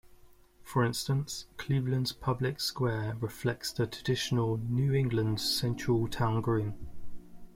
For instance, Cleveland's public square reflects the traditional New England central town green.